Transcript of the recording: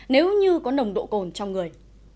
nếu như có nồng độ cồn trong người